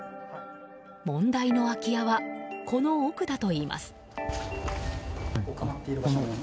問題の空き家はこの奥だといいます。